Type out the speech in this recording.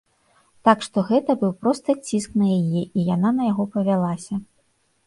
Так што гэта быў проста ціск на яе і яна на яго павялася.